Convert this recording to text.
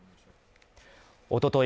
おととい